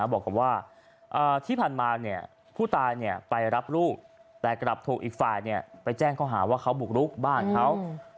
บอกว่าที่ผ่านมาผู้ตายไปรับลูกแต่กลับถูกอีกฝ่ายไปแจ้งเขาหาว่าเขาบุกรุกบ้านเขา